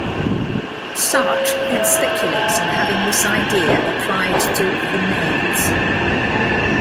Sartre then speculates on having this idea applied to "The Maids".